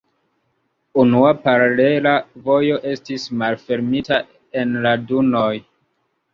Unua paralela vojo estis malfermita en la dunoj.